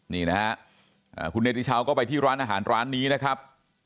นี่นะฮะคุณเนติชาวก็ไปที่ร้านอาหารร้านนี้นะครับ